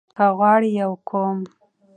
که غواړئ يو قوم